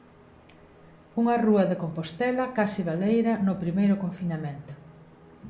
Unha rúa de Compostela case baleira no primeiro confinamento.